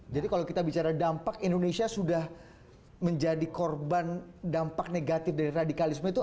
jadi kalau kita bicara dampak indonesia sudah menjadi korban dampak negatif dari radikalisme itu